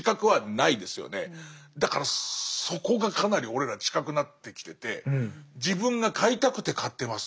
だからそこがかなり俺ら近くなってきてて自分が買いたくて買ってます。